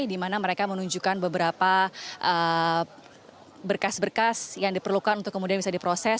di mana mereka menunjukkan beberapa berkas berkas yang diperlukan untuk kemudian bisa diproses